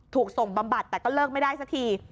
ถูกส่งบำบัดแต่ก็เลิกไม่ได้สักที